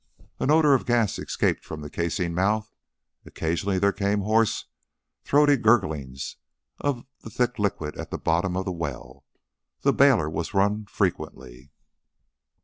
An odor of gas escaped from the casing mouth, occasionally there came hoarse, throaty gurglings of the thick liquid at the bottom of the well. The bailer was run frequently.